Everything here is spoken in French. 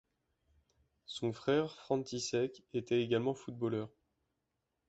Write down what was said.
Son frère, František, était également footballeur.